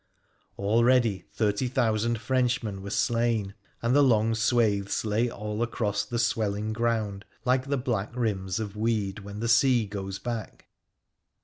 Already thirty thousand Frenchmen were slain, and the long swathes lay all across the swelling ground like the black rims of weed when the sea goes back.